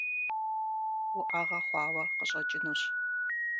УӀэгъэ хъуауэ къыщӀэкӀынущ.